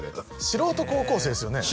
素人高校生ですよね？